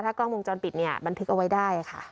กล้องวงจรปิดเนี่ยบันทึกเอาไว้ได้ค่ะ